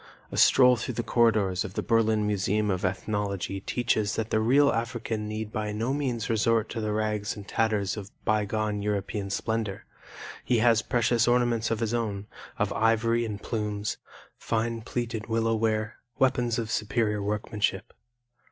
A stroll through the corridors of the Berlin Museum of Ethnology teaches that the real African need by no means resort to the rags and tatters of bygone European splendor. He has precious ornaments of his own, of ivory and plumes, fine plaited willow ware, weapons of superior workmanship.